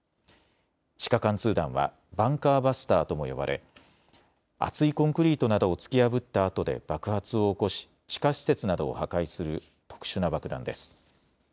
地下貫通弾はバンカーバスターとも呼ばれ厚いコンクリートなどを突き破ったあとで爆発を起こし地下施設などを破壊する特殊な爆弾です。